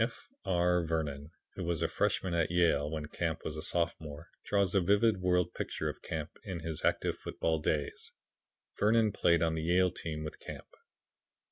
F. R. Vernon, who was a freshman at Yale when Camp was a sophomore, draws a vivid word picture of Camp in his active football days. Vernon played on the Yale team with Camp.